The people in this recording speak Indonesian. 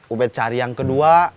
ube cari yang kedua